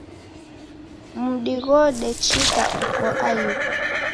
Mudi ghodechika uko aighu